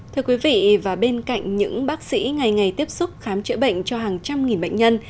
thưa quý vị và bên cạnh những bác sĩ ngày ngày tiếp xúc khám chữa bệnh cho hàng trăm nghìn bệnh nhân